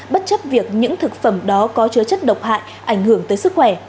bất chấp việc những thực phẩm đó có chứa chất độc hại ảnh hưởng tới sức khỏe